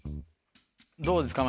どうですか？